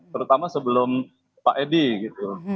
terutama sebelum pak edi gitu